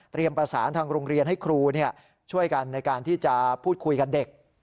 ประสานทางโรงเรียนให้ครูช่วยกันในการที่จะพูดคุยกับเด็ก